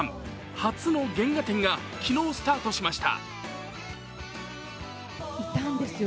初の原画展が昨日、スタートしました。